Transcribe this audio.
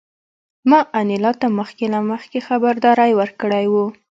ما انیلا ته مخکې له مخکې خبرداری ورکړی و